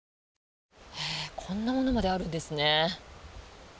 こんなものまであるんですね。